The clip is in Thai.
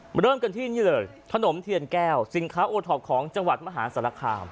เริ่มกันที่นี่เลยขนมเทียนแก้วสินค้าโอท็อปของจังหวัดมหาศาลคาม